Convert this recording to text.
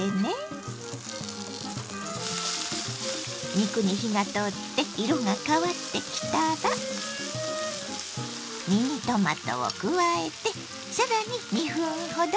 肉に火が通って色が変わってきたらミニトマトを加えて更に２分ほど炒めます。